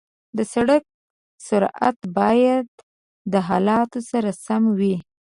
د سړک سرعت باید د حالت سره سم وي.